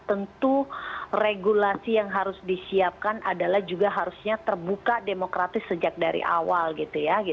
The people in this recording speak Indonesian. tentu regulasi yang harus disiapkan adalah juga harusnya terbuka demokratis sejak dari awal gitu ya